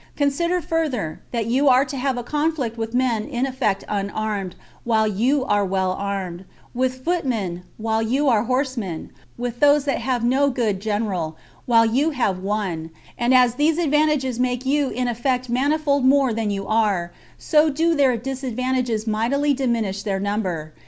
Consider further, that you are to have a conflict with men in effect unarmed, while you are well armed; with footmen, while you are horsemen; with those that have no good general, while you have one; and as these advantages make you in effect manifold more than you are, so do their disadvantages mightily diminish their number.